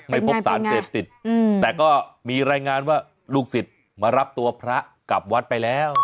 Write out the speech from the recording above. ไม่พบสารเสพติดแต่ก็มีรายงานว่าลูกศิษย์มารับตัวพระกลับวัดไปแล้ว